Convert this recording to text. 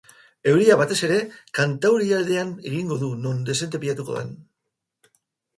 Euria, batez ere, kantaurialdean egingo du non dezente pilatuko den.